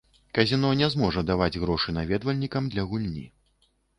Казіно не зможа даваць грошы наведвальнікам для гульні.